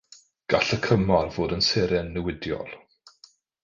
Gall y cymar fod yn seren newidiol.